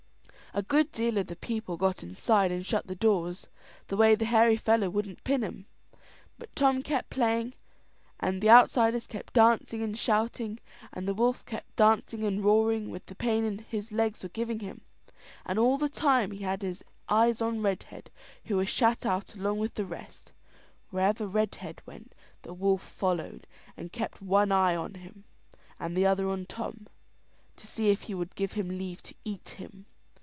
A good deal of the people got inside, and shut the doors, the way the hairy fellow wouldn't pin them; but Tom kept playing, and the outsiders kept dancing and shouting, and the wolf kept dancing and roaring with the pain his legs were giving him; and all the time he had his eyes on Redhead, who was shut out along with the rest. Wherever Redhead went, the wolf followed, and kept one eye on him and the other on Tom, to see if he would give him leave to eat him.